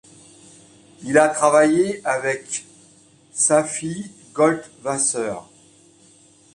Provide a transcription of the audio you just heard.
Il a travaillé avec Shafi Goldwasser.